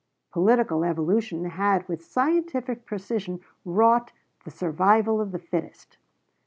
Political evolution had with scientific precision wrought "the survival of the fittest."